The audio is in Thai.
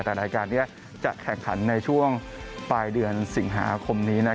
แต่รายการนี้จะแข่งขันในช่วงปลายเดือนสิงหาคมนี้